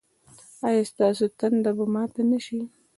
ایا ستاسو تنده به ماته نه شي؟